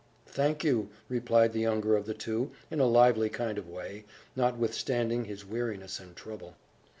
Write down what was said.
"Thank you!" replied the younger of the two, in a lively kind of way, notwithstanding his weariness and trouble.